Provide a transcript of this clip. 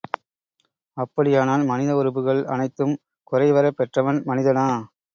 அப்படியானால் மனித உறுப்புகள் அனைத்தும் குறைவறப் பெற்றவன் மனிதனா?